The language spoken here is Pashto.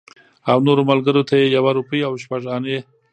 او نورو ملګرو ته یې یوه روپۍ او شپږ انې.